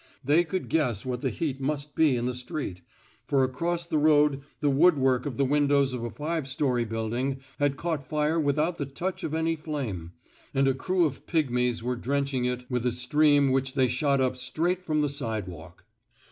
They could guess what the heat must be in the street, for across the road the woodwork of the windows of a five story building had caught fire without the touch of any flame, and a crew of pigmies were drenching it with a stream which they shot up straight from the sidewalk.